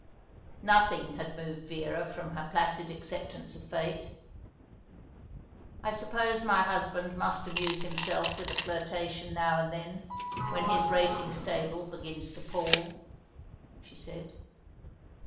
Nothing had moved Vera from her placid acceptance of fate. "I suppose my husband must amuse himself with a flirtation now and then, when his racing stable begins to pall," she said.